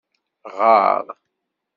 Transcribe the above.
Γeṛ!